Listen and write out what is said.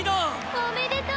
おめでとう。